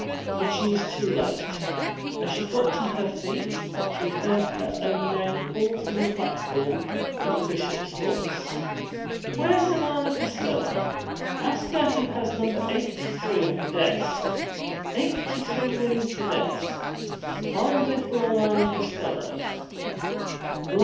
But she was too late. As she got to her feet, she heard her own name called from the platform, in the Bishop's voice. 'Where's Alanna Costello? Ask her who has number eighty three on the desk. Eighty three wins the desk! Find little Alanna Costello!'